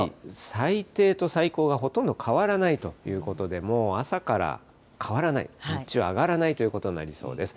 最低と最高がほとんど変わらないということで、もう朝から変わらない、日中は上がらないということになりそうです。